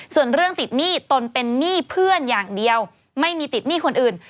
ส่วนเรื่องติดหนี้ตนเป็นหนี้เพื่อนอย่างเดียวไม่มีติดหนี้คนอื่น